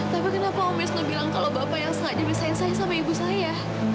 tapi kenapa om wisnu bilang kalau bapak yang sengaja bisain saya sama ibu saya